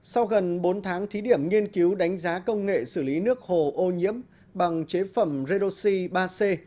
sau gần bốn tháng thí điểm nghiên cứu đánh giá công nghệ xử lý nước hồ ô nhiễm bằng chế phẩm redoxi ba c